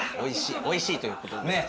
おいしいということで。